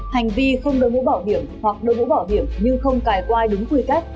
hành vi không đội mũ bảo hiểm hoặc đội mũ bảo hiểm nhưng không cài quai đúng quy kết